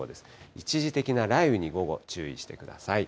一時的な雷雨に、午後、注意してください。